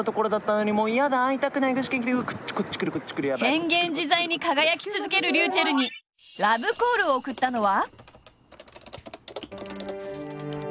変幻自在に輝き続けるｒｙｕｃｈｅｌｌにラブコールを送ったのは。